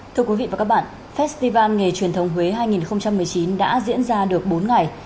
thưa quý vị và các bạn festival nghề truyền thống huế hai nghìn một mươi chín đã diễn ra được bốn ngày